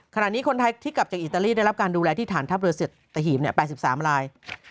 ขณะนี้คนไทยที่กลับจากอิตาลีได้รับการดูแลที่ฐานทัพเรือสัตหีบ๘๓ลาย